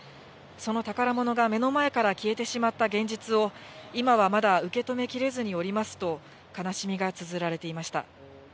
その宝物が目の前から消えてしまった現実を、今はまだ受け止めきれずにおりますと、悲しみがつづられていました。